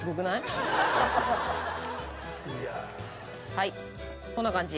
はいこんな感じ。